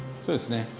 そうですね。